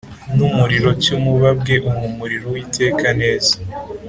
n umuriro cy umubabwe uhumurira Uwiteka neza